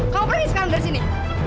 kamu berani sekarang dari sini